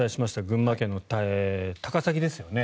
群馬県の高崎ですよね。